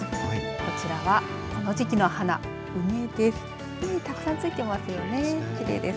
こちらはこの時期の花梅です。